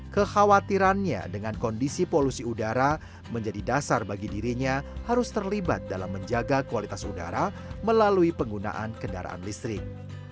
kekhawatirannya dengan kondisi polusi udara menjadi dasar bagi dirinya harus terlibat dalam menjaga kualitas udara melalui penggunaan kendaraan listrik